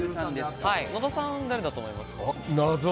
野田さん、誰だと思いますか？